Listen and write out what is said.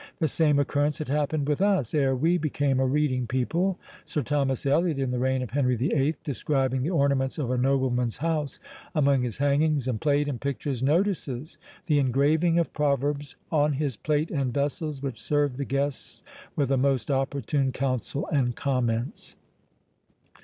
The same occurrence had happened with us ere we became a reading people. Sir Thomas Elyot, in the reign of Henry the Eighth, describing the ornaments of a nobleman's house, among his hangings, and plate, and pictures, notices the engraving of proverbs "on his plate and vessels, which served the guests with a most opportune counsel and comments."